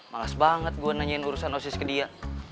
pangas banget gue nanyain urusan dosis ke dia